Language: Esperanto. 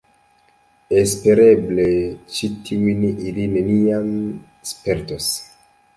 Espereble ĉi tiujn ili neniam spertos.